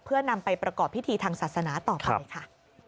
เพื่อนำไปประกอบพิธีทางศาสนาต่อไปค่ะ